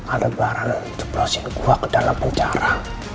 ada barang jeprosin gue ke dalam penjara